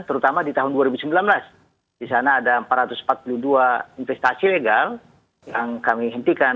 terutama di tahun dua ribu sembilan belas di sana ada empat ratus empat puluh dua investasi legal yang kami hentikan